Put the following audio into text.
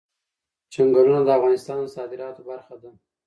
چنګلونه د افغانستان د صادراتو برخه ده.